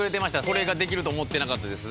「これができると思ってなかったです」